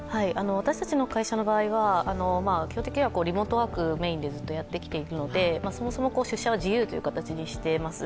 私たちの会社の場合は基本的にはリモートワークをメインでずっとやってきているので、そもそも出社は自由という形にしています。